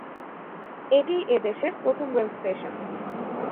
এটিই এদেশের প্রথম রেল স্টেশন।